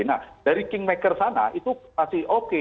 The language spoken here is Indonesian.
nah dari kingmaker sana itu masih oke